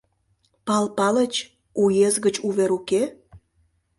— Пал Палыч, уезд гыч увер уке?